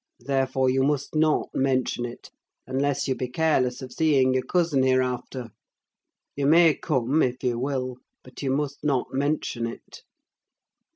Therefore, you must not mention it, unless you be careless of seeing your cousin hereafter: you may come, if you will, but you must not mention it."